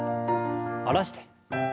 下ろして。